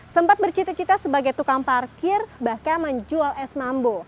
sempat bercita cita sebagai tukang parkir bahkan menjual es mambo